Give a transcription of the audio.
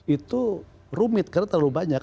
itu rumit karena terlalu banyak